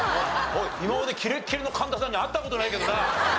今までキレッキレの神田さんに会った事ないけどね。